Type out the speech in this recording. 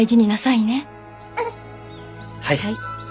はい。